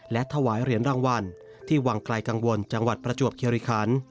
และถวายเหรียญรางวัลที่วังไกลกังวลจังหวัดประจวบคิริคัน